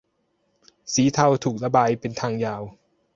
สีเทาถูกระบายเป็นทางยาว